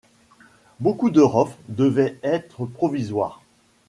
Beaucoup de Rofs devaient être provisoires.